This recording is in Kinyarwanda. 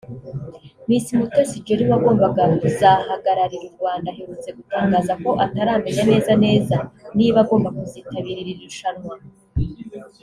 Miss Mutesi Jolly wagombaga kuzahagararira u Rwanda aherutse gutangaza ko ataramenya neza neza niba agomba kuzitabira iri rushanwa